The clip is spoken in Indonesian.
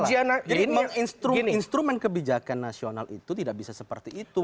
jadi instrumen kebijakan nasional itu tidak bisa seperti itu